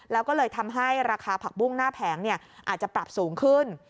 แล้วก็เลยทำให้ราคาผักบุ้งหน้าแผงอาจจะปรับสูงขึ้น